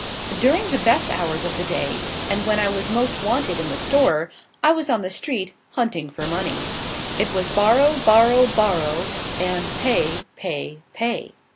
(!) During the best hours of the day, and when I was most wanted in the store, I was on the street, hunting for money. It was borrow, borrow, borrow, and pay, pay, pay.